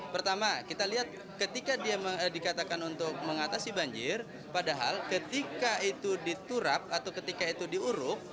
pertama kita lihat ketika dia dikatakan untuk mengatasi banjir padahal ketika itu diturap atau ketika itu diuruk